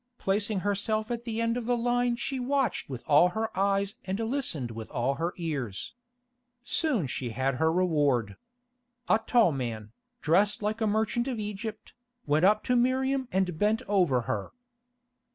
Placing herself at the end of the line she watched with all her eyes and listened with all her ears. Soon she had her reward. A tall man, dressed like a merchant of Egypt, went up to Miriam and bent over her.